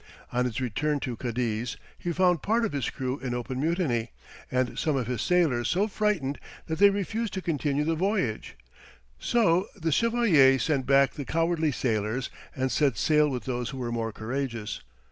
On his return to Cadiz he found part of his crew in open mutiny, and some of his sailors so frightened that they refused to continue the voyage, so the chevalier sent back the cowardly sailors, and set sail with those who were more courageous.